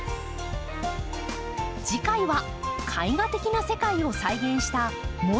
次回は絵画的な世界を再現したモネの庭。